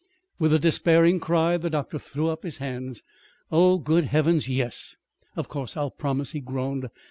With a despairing cry the doctor threw up his hands. "Oh, good Heavens, yes! Of course I'll promise," he groaned.